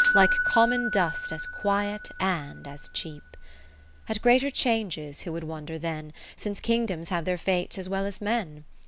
Like common dust as quiet and as cheap. At greater changes who would wonder then. Since Kingdoms have their Fates as well as men